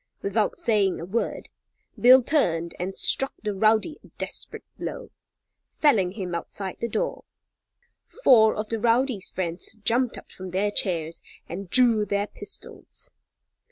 Without saying a word, Bill turned and struck the rowdy a desperate blow, felling him outside the door. Four of the rowdy's friends jumped up from their chairs and drew their pistols.